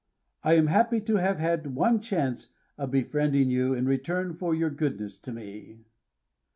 I am happy to have had one chance of befriending you in return for your goodness to me."